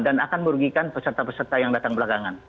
dan akan merugikan peserta peserta yang datang belakangan